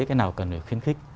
cái nào cần phải khiến khích